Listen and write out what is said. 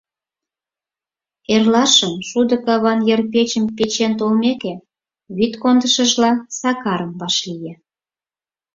Эрлашым, шудо каван йыр печым печен толмеке, вӱд кондышыжла Сакарым вашлие.